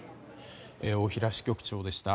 大平支局長でした。